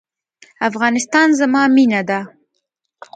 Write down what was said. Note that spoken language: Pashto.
افغانستان زما مینه ده